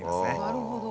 なるほど。